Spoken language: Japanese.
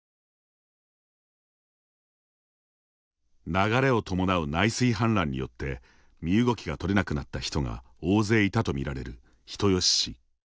流れを伴う内水氾濫によって身動きがとれなくなった人が大勢いたとみられる人吉市。